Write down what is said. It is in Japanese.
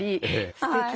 すてきね。